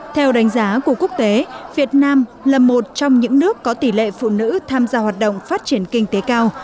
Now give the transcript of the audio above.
theo đánh giá của quốc tế việt nam là một trong những nước có tỷ lệ phụ nữ tham gia hoạt động phát triển kinh tế cao